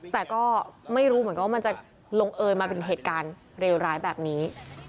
แต่ก็ไม่รู้เหมือนกันว่ามันจะลงเอยมาเป็นเหตุการณ์เลวร้ายแบบนี้